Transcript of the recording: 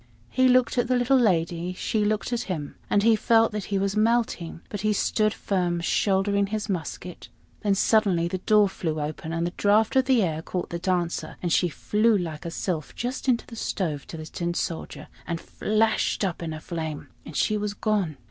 He looked at the little lady, she looked at him, and he felt that he was melting; but he still stood firm, shouldering his musket. Then suddenly the door flew open, and the draught of air caught the Dancer, and she flew like a sylph just into the stove to the Tin Soldier, and flashed up in a flame, and she was gone.